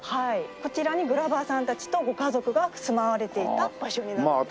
こちらにグラバーさんたちとご家族が住まわれていた場所になるんです。